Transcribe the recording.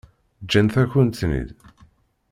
Ǧǧant-akent-ten-id.